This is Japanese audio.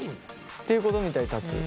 っていうことみたいたつ。